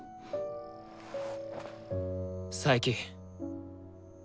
佐伯。